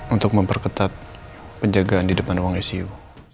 untuk memperketat penjagaan di depan ruang icu